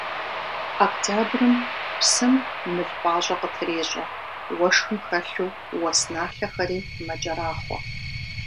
Октябрым псым мыл пӀащӀэ къытрещӀэ, уэшхым хэлъу уэс налъэхэри мэкӀэрахъуэ.